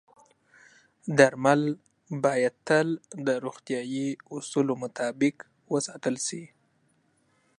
درمل باید تل د روغتیايي اصولو مطابق وساتل شي.